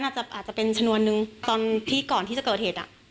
อาจจะเป็นชนวนนึงตอนที่ก่อนที่จะเกิดเหตุ